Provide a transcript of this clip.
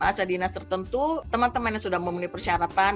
asa dinas tertentu teman teman yang sudah memenuhi persyaratan